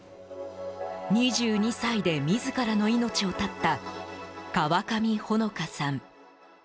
２２歳で自らの命を絶った川上穂野香さん。